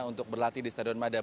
untuk berlatih di stadion mada